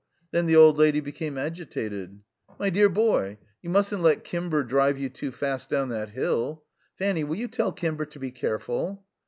Then the old lady became agitated. "My dear boy, you mustn't let Kimber drive you too fast down that hill. Fanny, will you tell Kimber to be careful?"